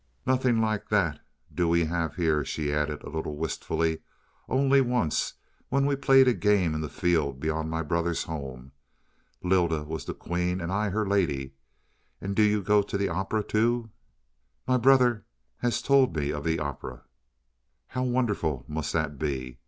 "Nothing like that do we have here," she added, a little wistfully. "Only once, when we played a game in the field beyond my brother's home. Lylda was the queen and I her lady. And do you go to the opera, too? My brother he has told me of the opera. How wonderful must that be!